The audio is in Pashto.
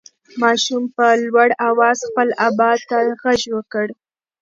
ماشوم په لوړ اواز خپل ابا ته غږ کړ.